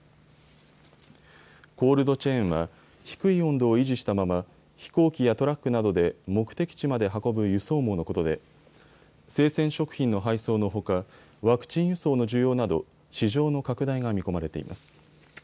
コールドチェーンは低い温度を維持したまま飛行機やトラックなどで目的地まで運ぶ輸送網のことで生鮮食品の配送のほかワクチン輸送の需要など市場の拡大が見込まれています。